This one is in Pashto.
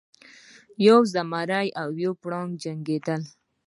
یو زمری او یو پړانګ جنګیدل.